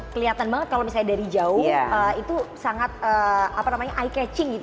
kelihatan banget kalau misalnya dari jauh itu sangat eye catching gitu